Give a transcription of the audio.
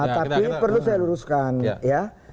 tapi perlu saya luruskan ya